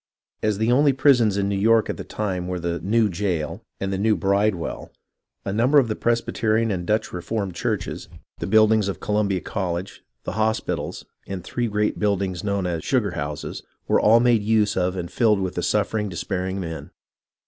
" As the only prisons in New York at the time were the ' New Jail ' and the ' New Bridewell,' a number of the Presbyterian and Dutch Reformed churches, the buildings of Columbia College, the hospitals, and three great build ings known as ' sugar houses,' were all made use of and ■filled with the suffering, despairing men.